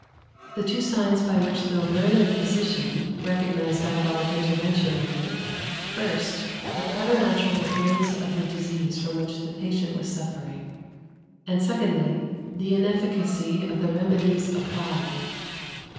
The two signs by which the "learned physicion" recognized diabolic intervention were: first, the preternatural appearance of the disease from which the patient was suffering; and, secondly, the inefficacy of the remedies applied.